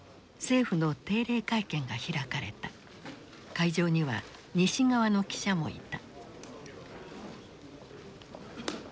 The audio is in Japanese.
会場には西側の記者もいた。